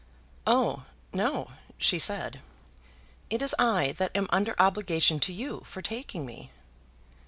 "Oh, no," she said; "it is I that am under obligation to you for taking me."